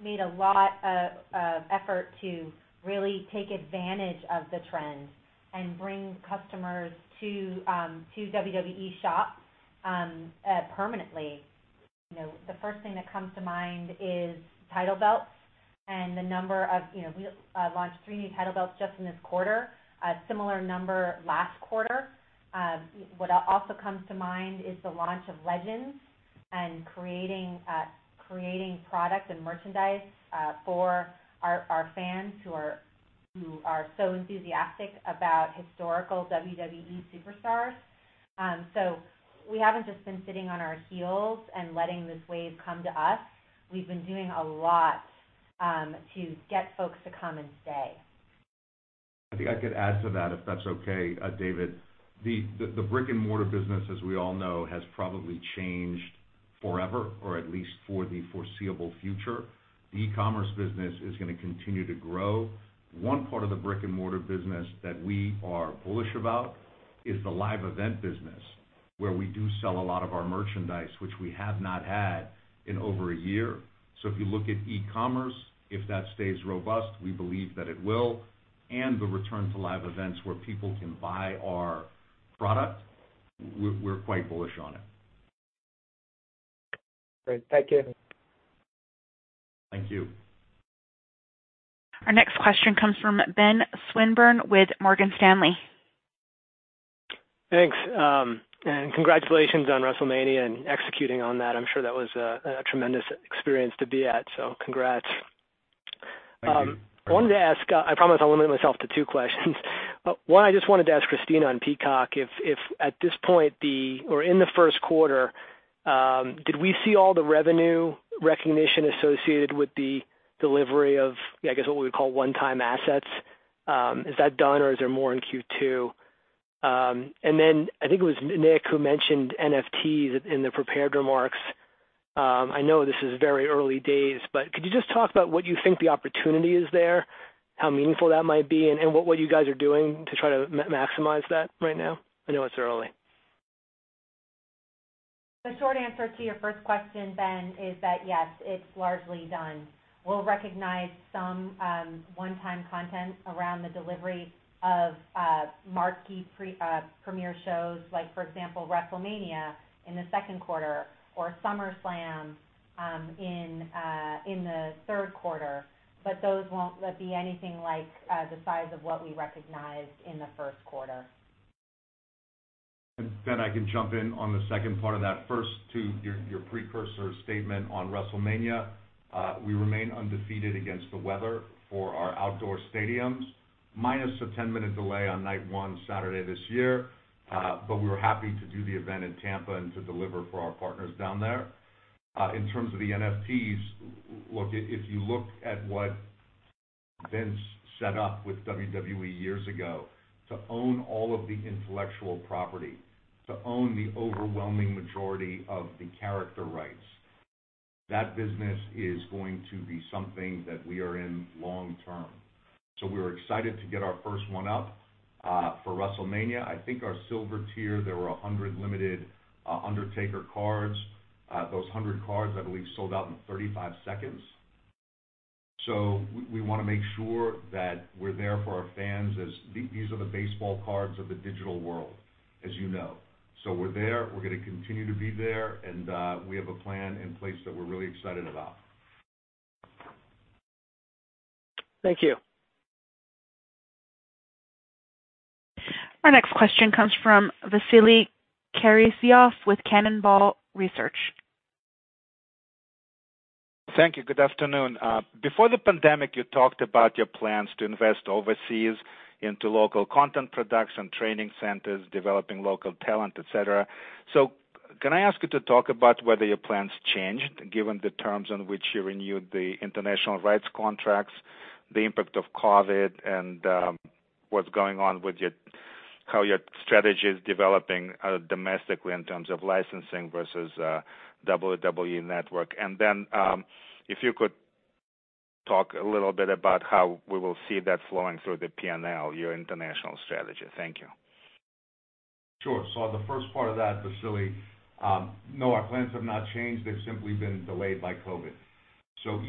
made a lot of effort to really take advantage of the trends and bring customers to WWE Shop permanently. The first thing that comes to mind is title belts. We launched three new title belts just in this quarter, a similar number last quarter. What also comes to mind is the launch of Legends and creating product and merchandise for our fans who are so enthusiastic about historical WWE superstars. We haven't just been sitting on our heels and letting this wave come to us. We've been doing a lot to get folks to come and stay. I think I could add to that, if that's okay, David. The brick-and-mortar business, as we all know, has probably changed forever, or at least for the foreseeable future. The e-commerce business is going to continue to grow. One part of the brick-and-mortar business that we are bullish about is the live event business, where we do sell a lot of our merchandise, which we have not had in over a year. If you look at e-commerce, if that stays robust, we believe that it will, and the return to live events where people can buy our product, we're quite bullish on it. Great. Thank you. Thank you. Our next question comes from Benjamin Swinburne with Morgan Stanley. Thanks, congratulations on WrestleMania and executing on that. I'm sure that was a tremendous experience to be at, congrats. Thank you. I wanted to ask, I promise I'll limit myself to 2 questions. 1, I just wanted to ask Kristina on Peacock, if at this point or in the first quarter, did we see all the revenue recognition associated with the delivery of, I guess, what we would call one-time assets? Is that done or is there more in Q2? I think it was Nick who mentioned NFTs in the prepared remarks. I know this is very early days, but could you just talk about what you think the opportunity is there, how meaningful that might be, and what you guys are doing to try to maximize that right now? I know it's early. The short answer to your first question, Ben, is that yes, it's largely done. We'll recognize some one-time content around the delivery of marquee premier shows, like for example, WrestleMania in the second quarter or SummerSlam in the third quarter. Those won't be anything like the size of what we recognized in the first quarter. Ben, I can jump in on the second part of that. First, to your precursor statement on WrestleMania, we remain undefeated against the weather for our outdoor stadiums, minus a 10-minute delay on night 1, Saturday this year. We were happy to do the event in Tampa and to deliver for our partners down there. In terms of the NFTs, look, if you look at what Vince set up with WWE years ago, to own all of the intellectual property, to own the overwhelming majority of the character rights, that business is going to be something that we are in long-term. We were excited to get our first one up for WrestleMania. I think our silver tier, there were 100 limited Undertaker cards. Those 100 cards, I believe, sold out in 35 seconds. We want to make sure that we're there for our fans as these are the baseball cards of the digital world, as you know. We're there, we're going to continue to be there, and we have a plan in place that we're really excited about. Thank you. Our next question comes from Vasily Karasyov with Cannonball Research. Thank you. Good afternoon. Before the pandemic, you talked about your plans to invest overseas into local content production, training centers, developing local talent, et cetera. Can I ask you to talk about whether your plans changed given the terms on which you renewed the international rights contracts, the impact of COVID, and what's going on with how your strategy is developing domestically in terms of licensing versus WWE Network? Then, if you could talk a little bit about how we will see that flowing through the P&L, your international strategy. Thank you. Sure. The first part of that, Vasily, no, our plans have not changed. They've simply been delayed by COVID.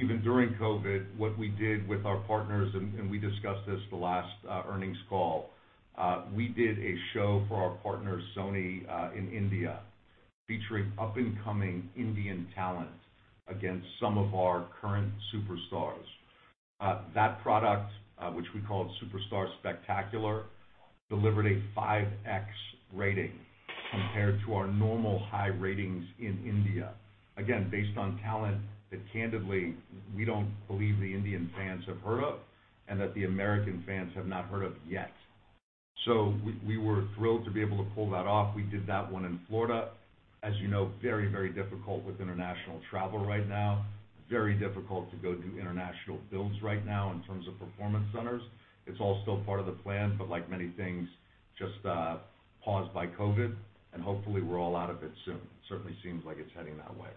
Even during COVID, what we did with our partners, and we discussed this the last earnings call, we did a show for our partner Sony in India, featuring up-and-coming Indian talent against some of our current superstars. That product, which we called Superstar Spectacle, delivered a 5X rating compared to our normal high ratings in India. Again, based on talent that candidly, we don't believe the Indian fans have heard of, and that the American fans have not heard of yet. We were thrilled to be able to pull that off. We did that one in Florida. As you know, very difficult with international travel right now, very difficult to go do international builds right now in terms of performance centers. It's all still part of the plan, but like many things, just paused by COVID, hopefully we're all out of it soon. It certainly seems like it's heading that way.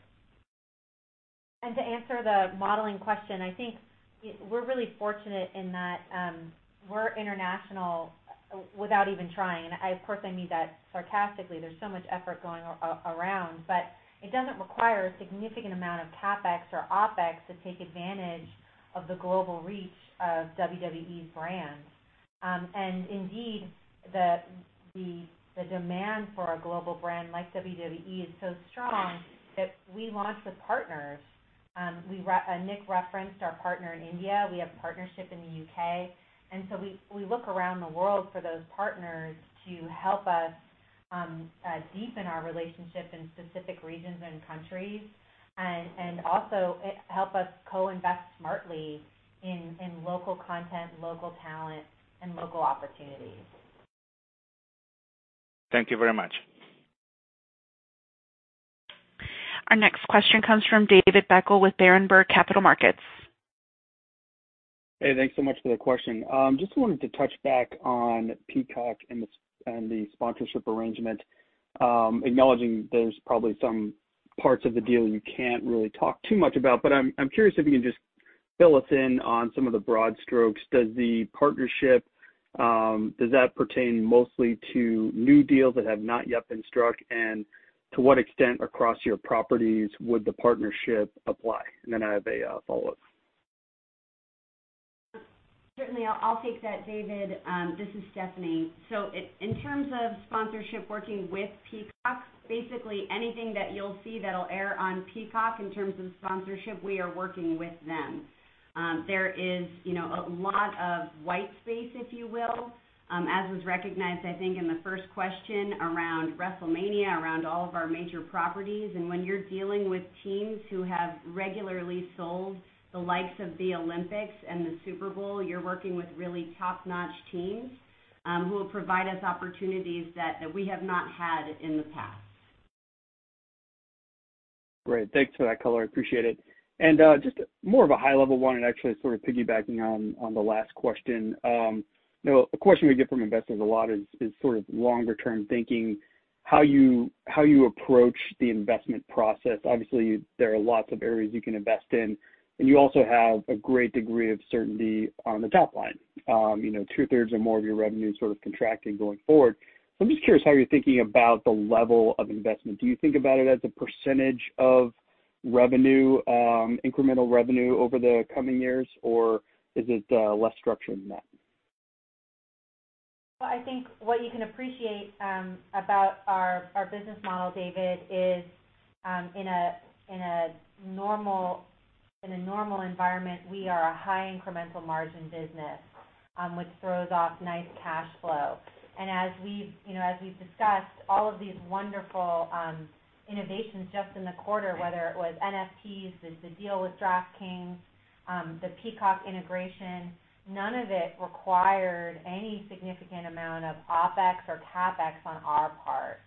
To answer the modeling question, I think we're really fortunate in that we're international without even trying. Of course, I mean that sarcastically. There's so much effort going around, but it doesn't require a significant amount of CapEx or OpEx to take advantage of the global reach of WWE's brands. Indeed, the demand for a global brand like WWE is so strong that we launch with partners. Nick referenced our partner in India. We have a partnership in the U.K., so we look around the world for those partners to help us deepen our relationship in specific regions and countries, also help us co-invest smartly in local content, local talent, and local opportunities. Thank you very much. Our next question comes from David Beckel with Berenberg Capital Markets. Thanks so much for the question. Just wanted to touch back on Peacock and the sponsorship arrangement, acknowledging there's probably some parts of the deal you can't really talk too much about. I'm curious if you can just fill us in on some of the broad strokes. Does the partnership pertain mostly to new deals that have not yet been struck? To what extent across your properties would the partnership apply? I have a follow-up. Certainly. I'll take that, David. This is Stephanie. In terms of sponsorship working with Peacock, basically anything that you'll see that'll air on Peacock in terms of sponsorship, we are working with them. There is a lot of white space, if you will, as was recognized, I think, in the first question around WrestleMania, around all of our major properties. When you're dealing with teams who have regularly sold the likes of the Olympics and the Super Bowl, you're working with really top-notch teams who will provide us opportunities that we have not had in the past. Great. Thanks for that color. I appreciate it. Just more of a high-level one, and actually sort of piggybacking on the last question. A question we get from investors a lot is sort of longer-term thinking, how you approach the investment process. Obviously, there are lots of areas you can invest in, and you also have a great degree of certainty on the top line. Two-thirds or more of your revenue sort of contracting going forward. I'm just curious how you're thinking about the level of investment. Do you think about it as a % of incremental revenue over the coming years, or is it less structured than that? I think what you can appreciate about our business model, David, is in a normal environment, we are a high incremental margin business, which throws off nice cash flow. As we've discussed all of these wonderful innovations just in the quarter, whether it was NFTs, the deal with DraftKings, the Peacock integration, none of it required any significant amount of OpEx or CapEx on our part.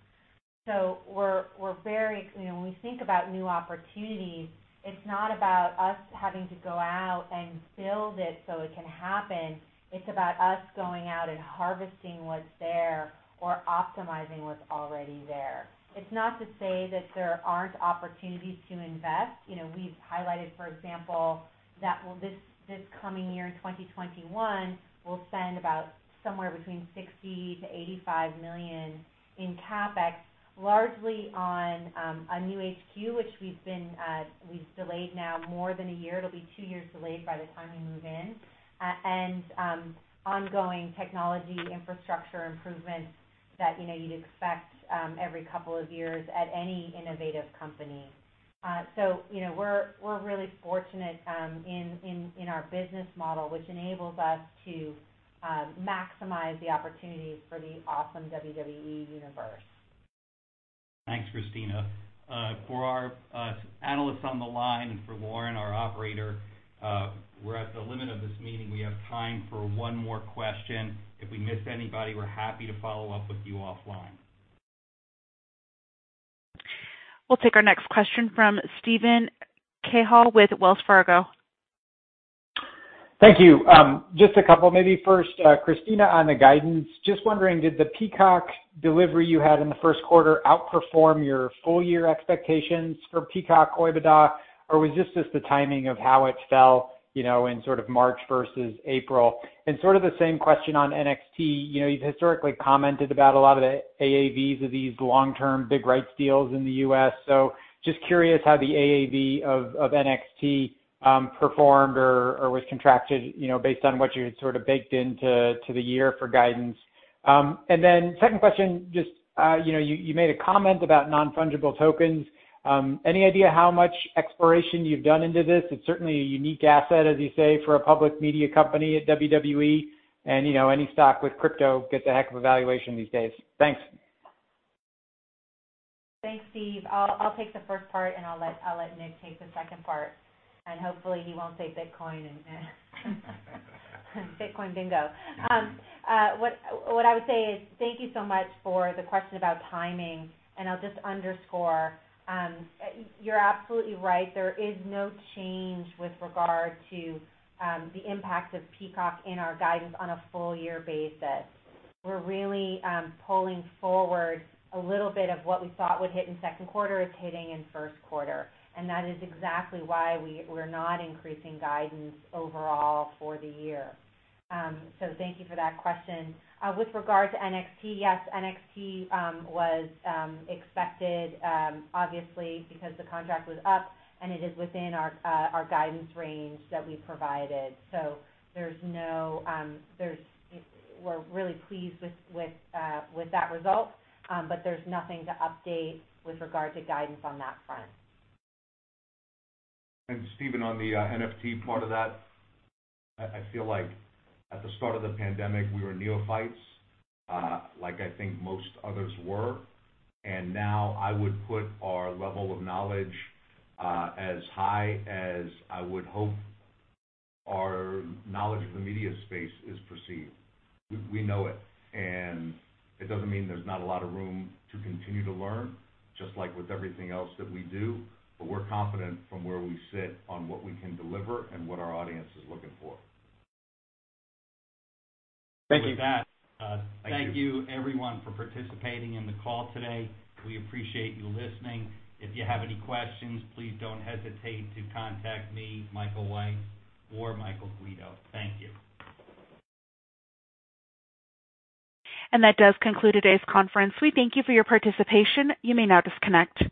When we think about new opportunities, it's not about us having to go out and build it so it can happen. It's about us going out and harvesting what's there or optimizing what's already there. It's not to say that there aren't opportunities to invest. We've highlighted, for example, that this coming year, in 2021, we'll spend about somewhere between $60 million-$85 million in CapEx, largely on a new HQ, which we've delayed now more than a year. It'll be two years delayed by the time we move in. Ongoing technology infrastructure improvements that you'd expect every couple of years at any innovative company. We're really fortunate in our business model, which enables us to maximize the opportunities for the awesome WWE Universe. Thanks, Kristina. For our analysts on the line and for Lauren, our operator, we're at the limit of this meeting. We have time for one more question. If we missed anybody, we're happy to follow up with you offline. We'll take our next question from Steven Cahall with Wells Fargo. Thank you. Just a couple. Maybe first, Kristina, on the guidance. Just wondering, did the Peacock delivery you had in the first quarter outperform your full year expectations for Peacock OIBDA? Was this just the timing of how it fell in March versus April? The same question on NXT. You've historically commented about a lot of the AAVs of these long-term big rights deals in the U.S. Just curious how the AAV of NXT performed or was contracted based on what you had baked into the year for guidance. Then second question, you made a comment about non-fungible tokens. Any idea how much exploration you've done into this? It's certainly a unique asset, as you say, for a public media company at WWE. Any stock with crypto gets a heck of a valuation these days. Thanks. Thanks, Steven. I'll take the first part, I'll let Nick take the second part, hopefully he won't say Bitcoin and Bitcoin bingo. Thank you so much for the question about timing, I'll just underscore, you're absolutely right. There is no change with regard to the impact of Peacock in our guidance on a full year basis. We're really pulling forward a little bit of what we thought would hit in second quarter. It's hitting in first quarter, that is exactly why we're not increasing guidance overall for the year. Thank you for that question. With regard to NXT, yes, NXT was expected, obviously, because the contract was up, it is within our guidance range that we provided. We're really pleased with that result. There's nothing to update with regard to guidance on that front. Steven, on the NFT part of that, I feel like at the start of the pandemic, we were neophytes, like I think most others were. Now I would put our level of knowledge as high as I would hope our knowledge of the media space is perceived. We know it doesn't mean there's not a lot of room to continue to learn, just like with everything else that we do, but we're confident from where we sit on what we can deliver and what our audience is looking for. Thank you. With that. Thank you Thank you, everyone, for participating in the call today. We appreciate you listening. If you have any questions, please don't hesitate to contact me, Michael Weitz, or Michael Guido. Thank you. That does conclude today's conference. We thank you for your participation. You may now disconnect.